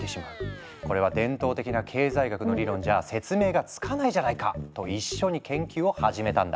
これは伝統的な経済学の理論じゃ説明がつかないじゃないかと一緒に研究を始めたんだ。